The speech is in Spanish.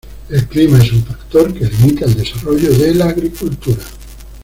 El clima es un factor que limita el desarrollo de la agricultura.